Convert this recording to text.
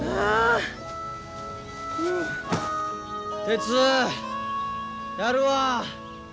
鉄やるわ。